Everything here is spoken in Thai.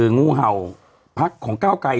งูเห่าพักของก้าวไกร